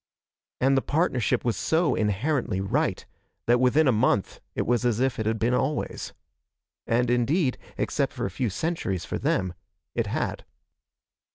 And the partnership was so inherently right that within a month it was as if it had been always. And indeed, except for a few centuries, for them, it had.